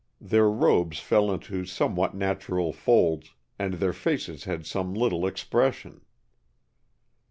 Their robes fell into somewhat natural folds, and their faces had some little expression.